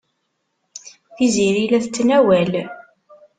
Tiziri la tettnawal.